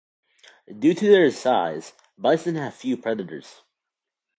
Due to their size, bison have few predators.